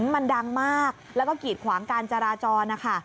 มันดังมากแล้วก็กีดขวางการจราจรนะคะ